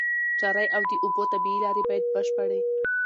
چرۍ او د اوبو طبيعي لاري بايد بشپړي